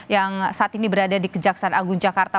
yang saat ini berada di kejaksaan agung jakarta